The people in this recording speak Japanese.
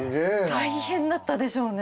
大変だったでしょうね。